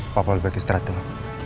papa lebih baik istirahat dulu